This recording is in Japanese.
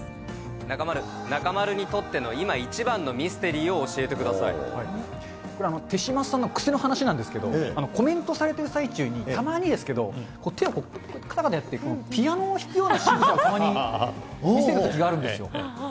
中丸、中丸にとっての今、一番のミステリーを教えてくださこれは手嶋さんの癖の話なんですけど、コメントされてる最中にたまにですけど、手をかたかたやって、ピアノを弾くようなしぐさを見せるときがあるんですよ。